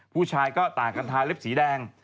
ผู้ชายก็ต่างกันทาเล็บสีแดง